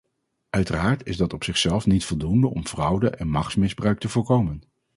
Uiteraard is dat op zichzelf niet voldoende om fraude en machtsmisbruik te voorkomen.